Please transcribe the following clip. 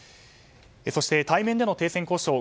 そして対面での停戦交渉。